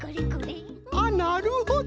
あっなるほど！